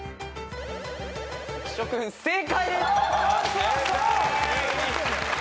浮所君正解です。